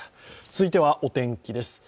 続いてはお天気です。